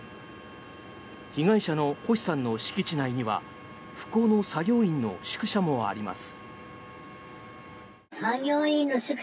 被害者の星さんの敷地内には復興の作業員の宿舎もあります。